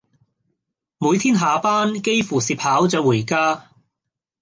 每天下班幾乎是跑著回家